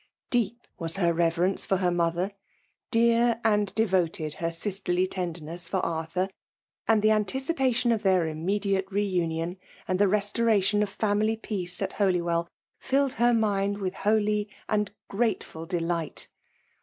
Deep was her reverence for her mother ; dear and devoted her sisterly tenderness for Arthur; and the anticipation of their immediate re union^ and the restoration of family peace at Holywell, filled her mind with holy and grate ful delight.